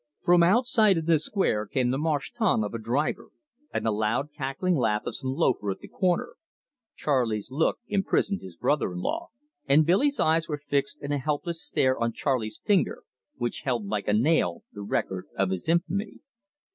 From outside in the square came the Marche t'en! of a driver, and the loud cackling laugh of some loafer at the corner. Charley's look imprisoned his brother in law, and Billy's eyes were fixed in a helpless stare on Charley's finger, which held like a nail the record of his infamy.